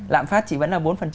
lạm phát chị vẫn là bốn